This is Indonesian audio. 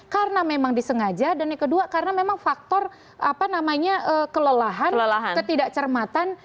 karena memang disengaja dan yang kedua karena memang faktor kelelahan ketidak cermatan